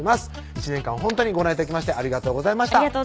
１年間ほんとにご覧頂きましてありがとうございました